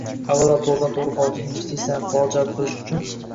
avvalo to‘g‘ridan-to‘g‘ri xorijiy investitsiyalarni faol jalb qilish uchun